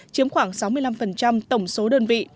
chiếm khoảng sáu mươi năm tổng số đơn vị